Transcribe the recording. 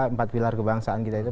empat pilar kebangsaan kita itu